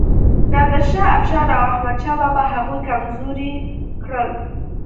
نادر شاه افشار او احمد شاه بابا هغوی کمزوري کړل.